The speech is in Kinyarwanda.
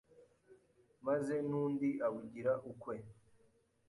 maze nundi abugira ukwe